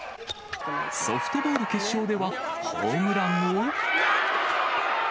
ソフトボール決勝では、ホームランを。